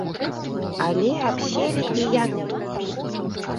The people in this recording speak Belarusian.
Але абселі і яны.